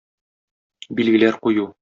Билгеләр кую.